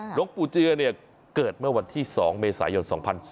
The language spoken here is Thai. หลวงปู่เจือเกิดเมื่อวันที่๒เมษายน๒๔